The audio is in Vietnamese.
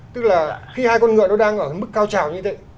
tức là khi hai con người nó đang ở mức cao trào như thế